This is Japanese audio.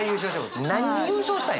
何に優勝したんや？